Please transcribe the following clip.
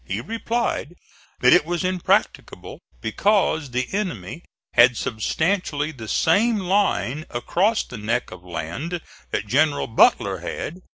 He replied that it was impracticable, because the enemy had substantially the same line across the neck of land that General Butler had.